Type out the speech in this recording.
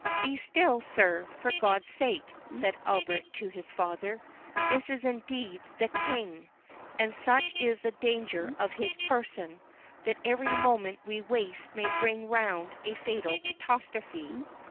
"Be still, sir, for God's sake!" said Albert to his father. "This is indeed THE KING; and such is the danger of his person, that every moment we waste may bring round a fatal catastrophe."